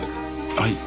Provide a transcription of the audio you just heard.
はい？